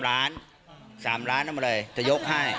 ๓ล้านเอามาเลยจะยกให้